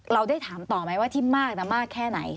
เราได้ถามต่อไหมว่าที่มากนะมากแค่ไหน